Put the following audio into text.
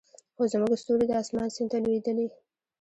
خو زموږ ستوري د اسمان سیند ته لویدلې